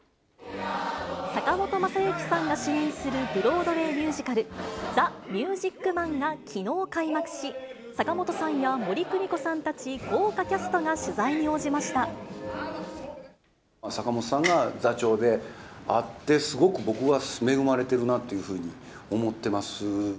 坂本昌行さんが主演するブロードウェイミュージカル、ザ・ミュージック・マンがきのう開幕し、坂本さんや森公美子さんたち、坂本さんが座長であって、すごく僕は恵まれてるなというふうに思ってます。